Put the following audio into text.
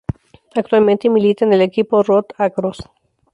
Actualmente milita en el equipo Roth-Akros.